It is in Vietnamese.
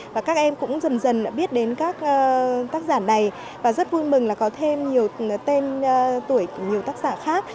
và các em cũng dần dần biết đến các tác giả này và rất vui mừng là có thêm nhiều tên tuổi của nhiều tác giả khác